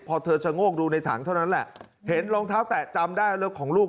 พอเธอชะโงกดูในถังเท่านั้นแหละเห็นรองเท้าแตะจำได้รถของลูก